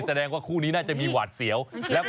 แสดงว่าคู่นี้น่าจะมีหวาดเสียว